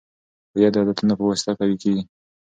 هویت د عادتونو په واسطه قوي کیږي.